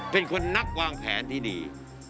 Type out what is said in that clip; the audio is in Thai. เป็นคนนักวางแผนที่ดี